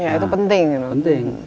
ya itu penting